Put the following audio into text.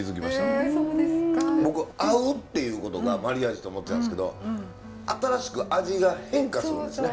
僕「合う」っていうことがマリアージュと思ってたんですけど新しく味が変化するんですね